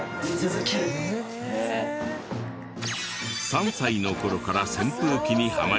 ３歳の頃から扇風機にハマりだし。